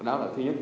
đó là thứ nhất